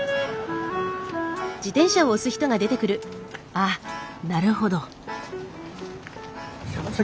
あっなるほど。